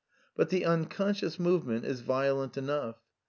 But the unconscious movement is violent enough.